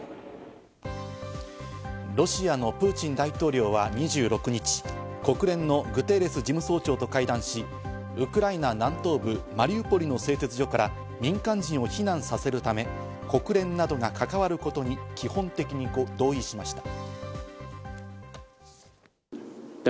ロシアのプーチン大統領は２６日、国連のグテーレス事務総長と会談し、ウクライナ南東部マリウポリの製鉄所から民間人を避難させるため、国連などが関わることに基本的に同意しました。